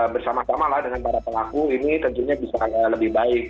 bersama sama lah dengan para pelaku ini tentunya bisa lebih baik